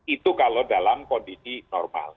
itu kalau dalam kondisi normal